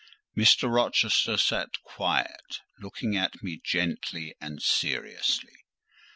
Mr. Rochester sat quiet, looking at me gently and seriously.